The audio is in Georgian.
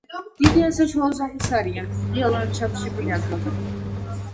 დიდი ან საშუალო ზომის არიან, ღია ლანდშაფტში ბინადრობენ.